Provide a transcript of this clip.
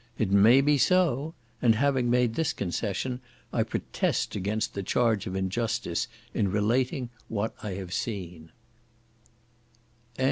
It may be so—and having made this concession, I protest against the charge of injustice in relating what I have seen.